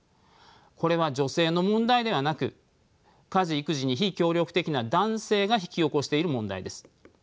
これは女性の問題ではなく家事育児に非協力的な男性が引き起こしている問題です。